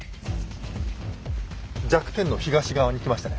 弱点の東側に来ましたね。